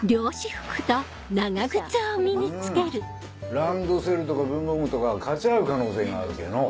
ランドセルとか文房具とかはかち合う可能性があるけぇのう。